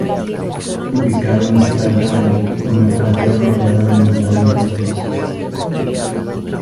Ubicado en Star Valley, una pradera rodeada de montañas boscosas.